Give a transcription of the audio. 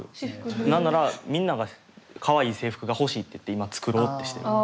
何ならみんながかわいい制服が欲しいって言って今作ろうとしてる。